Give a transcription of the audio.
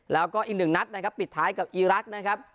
แล้วก็อีกหนึ่งนัดนะครับปิดท้ายกับอีรักษ์นะครับ